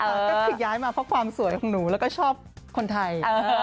ก็คือย้ายมาเพราะความสวยของหนูแล้วก็ชอบคนไทย